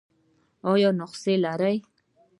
ایا نسخه لرئ؟